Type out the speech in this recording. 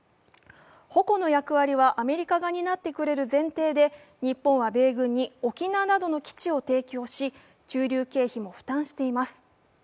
矛の役割はアメリカが担ってくれる前提で日本は米軍に沖縄などの基地を提供し駐留経費も負担しています。